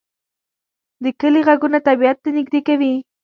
د کلی غږونه طبیعت ته نږدې کوي